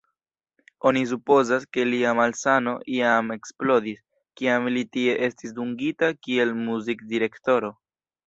Oni supozas, ke lia malsano jam eksplodis, kiam li tie estis dungita kiel muzikdirektoro.